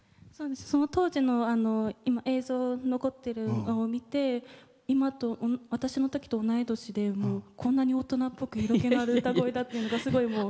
その当時の映像残ってるのを見て今の私のときと同じ年でこんなに大人っぽく色気のある歌声というのがすごいもう。